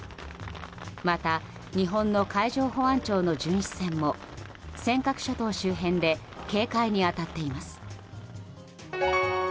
また、日本の海上保安庁の巡視船も尖閣諸島周辺で警戒に当たっています。